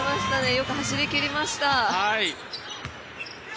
よく走りきりました。